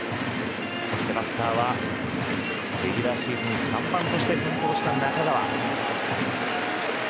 そしてバッターはレギュラーシーズン３番として活躍した中川。